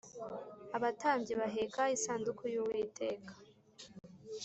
abatambyi baheka isanduku y Uwiteka